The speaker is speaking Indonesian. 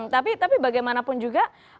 tapi bagaimanapun juga